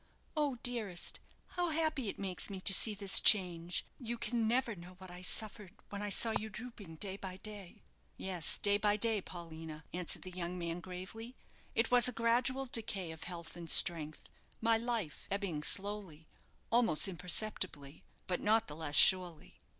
Oh, dearest, how happy it makes me to see this change! You can never know what I suffered when I saw you drooping, day by day." "Yes, day by day, Paulina," answered the young man, gravely. "It was a gradual decay of health and strength my life ebbing slowly almost imperceptibly but not the less surely."